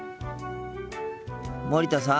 森田さん。